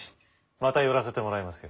また寄らせてもらいますよ。